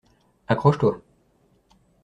Accroche-toi